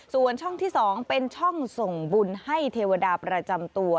ส่วนช่องที่๒เป็นช่องส่งบุญให้เทวดาประจำตัว